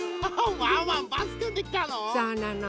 ワンワンバスくんできたの？